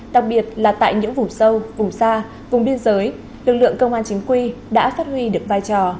đặc biệt là tại những vùng sâu vùng xa vùng biên giới lực lượng công an chính quy đã phát huy được vai trò